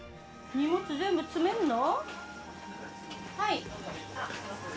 荷物全部つめるの？